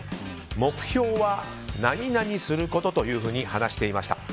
目標は○○することと話していました。